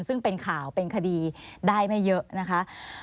ซึ่งเป็นข่าวเป็นคดีได้ไม่เยอะนะคะ